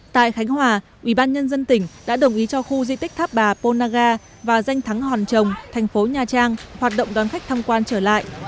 tại khánh hòa ủy ban nhân dân tỉnh đã đồng ý cho khu di tích tháp bà ponaga và danh thắng hòn trồng thành phố nha trang hoạt động đón khách tham quan trở lại